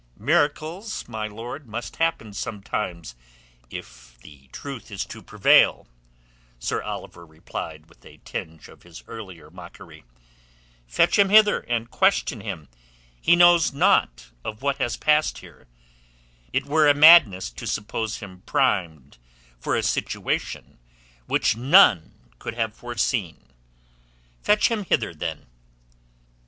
"Miracles, my lord, must happen sometimes if the truth is to prevail," Sir Oliver replied with a tinge of his earlier mockery. "Fetch him hither, and question him. He knows naught of what has passed here. It were a madness to suppose him primed for a situation which none could have foreseen. Fetch him hither, then."